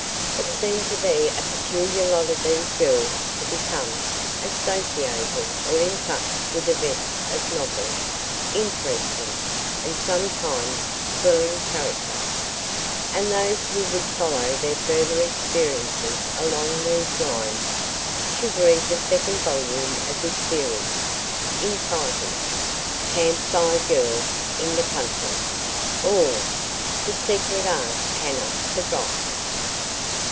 It seemed to be a peculiar lot of these girls to become associated or in touch with events of novel, interesting, and sometimes thrilling character, and those who would follow their further experiences along these lines should read the second volume of this series, entitled: CAMP FIRE GIRLS IN THE COUNTRY; or The Secret Aunt Hannah Forgot.